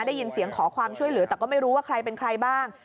ได้ยินเสียงขอความช่วยเหลือแต่ก็ไม่รู้ว่าใครเป็นใครบ้าง